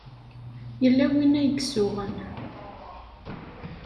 Yella win ay isuɣen.